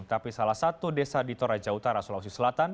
tapi salah satu desa di toraja utara sulawesi selatan